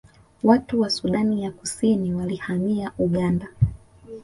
Watu wa Sudani ya Kusini walihamia Uganda